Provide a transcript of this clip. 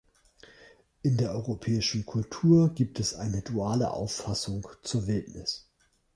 In der europäischen Kultur gibt es eine duale Auffassung zur Wildnis.